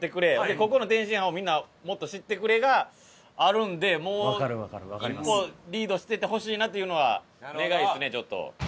「ここの天津飯をみんなもっと知ってくれ」があるんでもう一歩リードしててほしいなっていうのは願いですねちょっと。